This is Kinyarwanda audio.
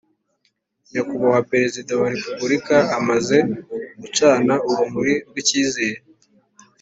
Nyakubahwa Perezida wa Repubulika amaze gucana urumuri rw icyizere